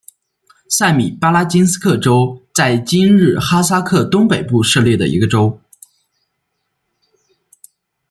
塞米巴拉金斯克州在今日哈萨克东北部设立的一个州。